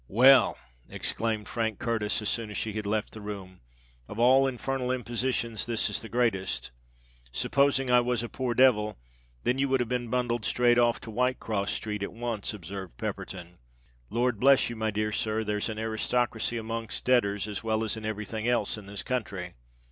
"Well," exclaimed Frank Curtis, as soon as she had left the room, "of all infernal impositions this is the greatest! Supposing I was a poor devil——" "Then you would have been bundled straight off to Whitecross Street at once," observed Pepperton. "Lord bless you, my dear sir—there's an aristocracy amongst debtors as well as in every thing else in this country."